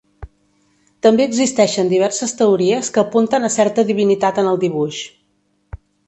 També existeixen diverses teories que apunten a certa divinitat en el dibuix.